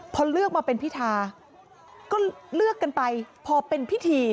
พอเลือกมาเป็นพิธาก็เลือกกันไปพอเป็นพิธี